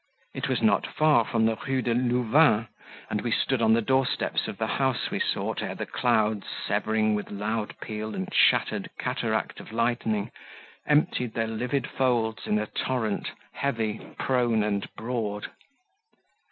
It was not far from the Rue de Louvain, and we stood on the doorsteps of the house we sought ere the clouds, severing with loud peal and shattered cataract of lightning, emptied their livid folds in a torrent, heavy, prone, and broad.